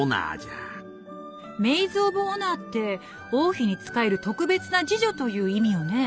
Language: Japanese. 「メイズ・オブ・オナー」って王妃に仕える特別な侍女という意味よね？